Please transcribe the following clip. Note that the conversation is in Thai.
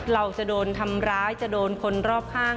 เราจะโดนทำร้ายจะโดนคนรอบข้าง